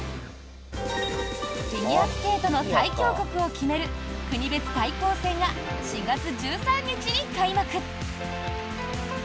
フィギュアスケートの最強国を決める国別対抗戦が４月１３日に開幕。